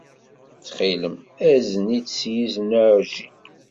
Ttxil-m, azen-itt s yizen uɛjil.